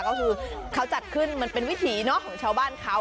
ก็คือเขาจัดขึ้นมันเป็นวิถีของชาวบ้านเขา